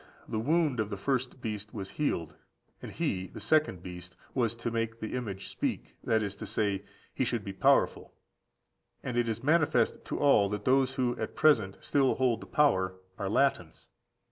the wound of the first beast was healed, and he (the second beast) was to make the image speak,15091509 ποιήσει, Combef. ἐποίησε. that is to say, he should be powerful; and it is manifest to all that those who at present still hold the power are Latins.